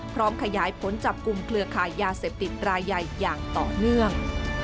พร้อมขยายผลจับกลุ่มเครือขายยาเสพติดรายใหญ่อย่างต่อเนื่อง